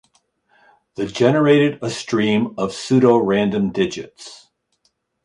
The generated a stream of pseudo-random digits.